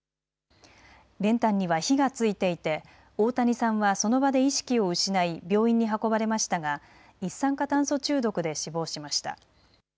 練炭には火がついていて大谷さんはその場で意識を失い病院に運ばれましたが一酸化炭素中毒で死亡しました。